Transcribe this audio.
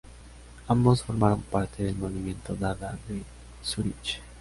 Ambos formaron parte del movimiento Dada de Zúrich.